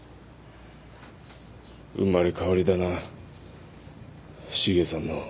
生まれ変わりだなシゲさんの。